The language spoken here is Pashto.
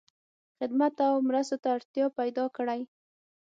خدمت او مرستو ته اړتیا پیدا کړی.